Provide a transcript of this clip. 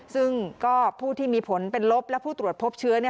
ซึ่งก็ผู้ที่มีผลเป็นลบและผู้ตรวจพบเชื้อ